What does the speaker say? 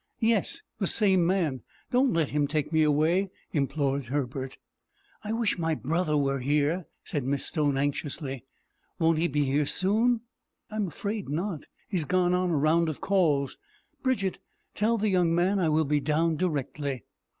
"Yes, the same man. Don't let him take me away," implored Herbert. "I wish my brother were here," said Miss Stone, anxiously. "Won't he be here soon?" "I am afraid not. He has gone on a round of calls. Bridget, tell the young man I will be down directly."